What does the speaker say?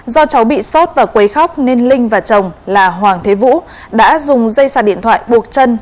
do cháu bị sốt và quấy khóc nên linh và chồng là hoàng thế vũ đã dùng dây xà điện thoại buộc chân